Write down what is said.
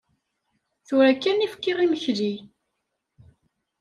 Tura kan i kfiɣ imekli.